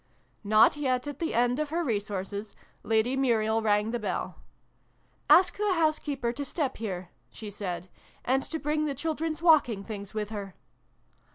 Not yet at the end of her resources, Lady Muriel rang the bell. "Ask the housekeeper to step here," she said, "and to bring the children's walking things with her."